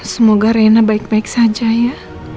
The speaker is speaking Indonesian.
semoga rena baik baik saja ya